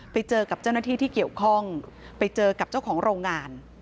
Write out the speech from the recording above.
ไปเจอกับเจ้าหน้าที่ที่เกี่ยวข้องไปเจอกับเจ้าของโรงงาน